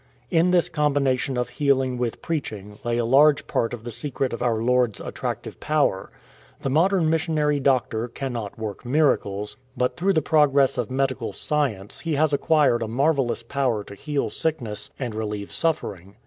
'*' In this combination of healing with preaching lay a large part of the secret of our Lord's attractive power. The modern missionary doctor cannot work miracles. But through the progress of medical 89 THE BOXER MADNESS science he has acquired a marvellous power to heal sickness and relieve suffering.